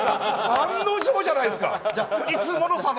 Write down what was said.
案の定じゃないですか。